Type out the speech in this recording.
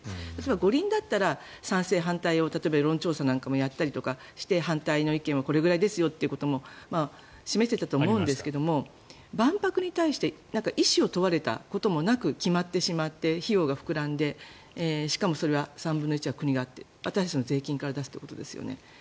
五輪だったら賛成、反対を世論調査なんかもやったりして反対の意見はこれぐらいですよということも示せたと思うんですが万博に対して意思を問われたこともなく決まってしまって費用が膨らんでしかもそれは３分の１は国がという私たちの税金から出すってことですよね。